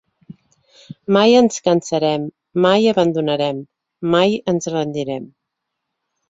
Mai ens cansarem, mai abandonarem, mai ens rendirem.